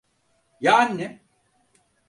Ya annem?